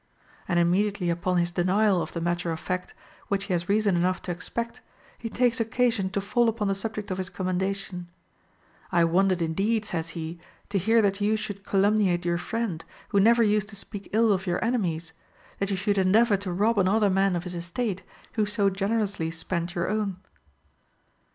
And immediately upon his denial of the matter of fact, Which he has reason enough to expect, he takes occasion to fall upon the sub ject of his commendation ; I wondered indeed, says he, to hear that you should calumniate your friend, who never used to speak ill of your enemies ; that you should en deavor to rob another man of his estate, who so gener ously spend your own.